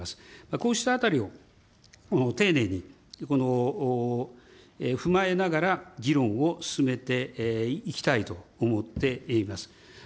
こうしたあたりを丁寧に踏まえながら、議論を進めていきたいと思っています。